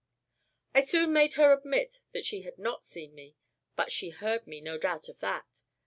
I soon made her admit that she had not seen me; but she heard me, no doubt of that.